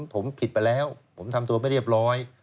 ผมผิดไปแล้วผมทำตัวไม่เรียบร้อย